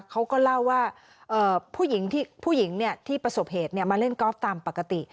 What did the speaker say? เขาก็เล่าว่าผู้หญิงที่ประสบเหตุมาเล่นกอล์ฟตามปกติ